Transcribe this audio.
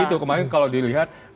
itu kemarin kalau dilihat